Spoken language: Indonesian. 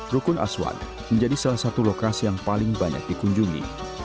rukun aswan menjadi salah satu lokasi yang paling banyak dikunjungi